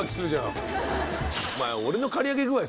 お前俺の刈り上げ具合